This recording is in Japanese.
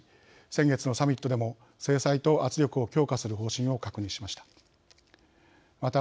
先月のサミットでも制裁と圧力を強化する方針を確認しました。